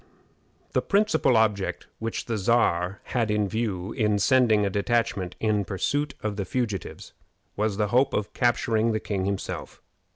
The principal object which the Czar had in view in sending a detachment in pursuit of the fugitives was the hope of capturing the king himself.